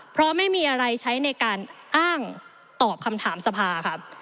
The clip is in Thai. เพราะไม่มีอะไรใช้ในการอ้างตอบคำถามสภาค่ะ